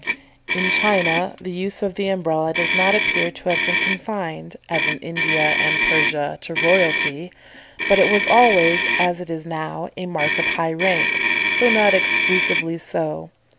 In China the use of the Umbrella does not appear to have been confined, as in India and Persia, to royalty; but it was always, as it is now, a mark of high rank, though not exclusively so.